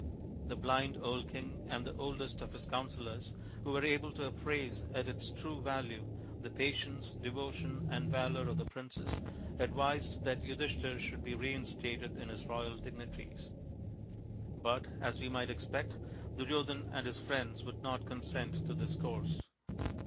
The blind old king and the oldest of his counsellors, who were able to appraise at its true value the patience, devotion, and valour of the princes, advised that Yudhishthir should be reinstated in his royal dignities ; but, as we might expect, Duryodhan and his friends would not consent to this course.